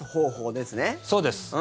そうです！